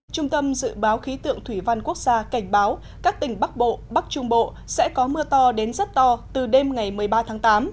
trung tâm dự báo khí tượng thủy văn quốc gia cảnh báo các tỉnh bắc bộ bắc trung bộ sẽ có mưa to đến rất to từ đêm ngày một mươi ba tháng tám